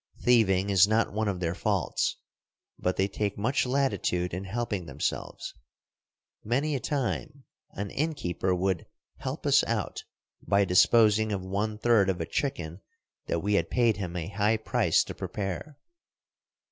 Thieving is not one of their faults, but they take much latitude in helping themselves. Many a time an inn keeper would "help us out" by disposing of one third of a chicken that we had paid him a high price to prepare.